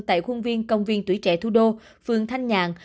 tại khuôn viên công viên tuổi trẻ thủ đô phường thanh nhàn